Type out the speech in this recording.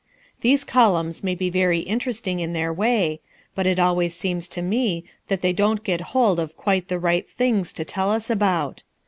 These columns may be very interesting in their way, but it always seems to me that they don't get hold of quite the right things to tell us about.